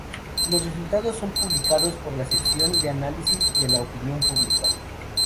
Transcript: Los resultados son publicados por la Sección de Análisis de la Opinión Pública.